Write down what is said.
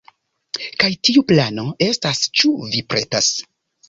Kaj tiu plano estas... ĉu vi pretas?